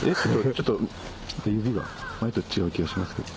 ちょっと指が前と違う気がしますけど。